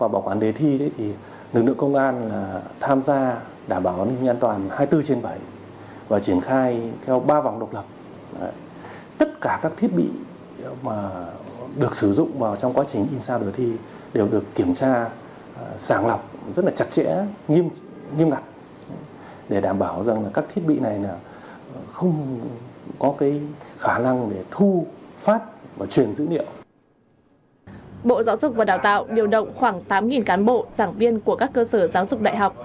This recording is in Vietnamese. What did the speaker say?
bộ giáo dục và đào tạo điều động khoảng tám cán bộ giảng viên của các cơ sở giáo dục đại học